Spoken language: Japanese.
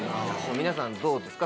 皆さんどうですか？